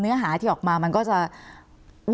คุณจอมขอบพระคุณครับ